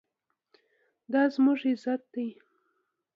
دا زموږ عزت دی؟